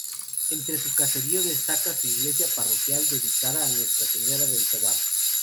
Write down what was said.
Entre su caserío destaca su iglesia parroquial, dedicada a Nuestra Señora del Tobar.